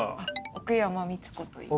奥山光子といいます。